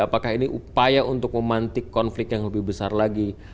apakah ini upaya untuk memantik konflik yang lebih besar lagi